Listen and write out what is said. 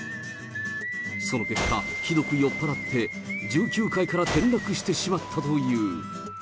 その結果、ひどく酔っ払って、１９階から転落してしまったという。